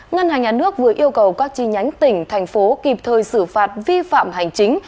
ngân hàng nhà nước vừa yêu cầu các chi nhánh tỉnh thành phố kịp thời xử phạt vi phạm hành chính